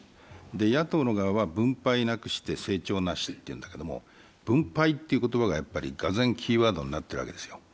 野党の側は分配なくして成長なしと言うんだけれども分配という言葉が、がぜんキーワードになっているわけですよ。